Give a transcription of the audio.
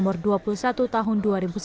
pertama di tahun dua ribu sebelas